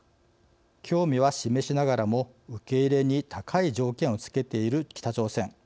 興味は示しながらも、受け入れに高い条件をつけている北朝鮮。